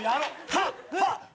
はっ！